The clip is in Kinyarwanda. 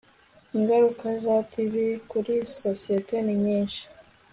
Ingaruka za TV kuri societe ni nyinshi